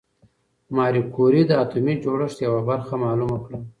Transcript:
ماري کوري د اتومي جوړښت یوه برخه معلومه کړه.